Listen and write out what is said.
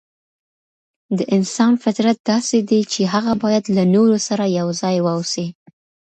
د انسان فطرت داسې دی چي هغه بايد له نورو سره يو ځای واوسي.